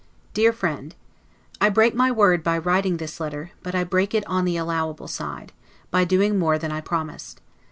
S. 1752. DEAR FRIEND: I break my word by writing this letter; but I break it on the allowable side, by doing more than I promised.